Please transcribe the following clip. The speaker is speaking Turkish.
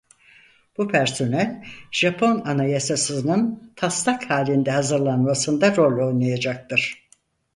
Bu personel Japon Anayasasının taslak halinde hazırlanmasında rol oynayacaktır.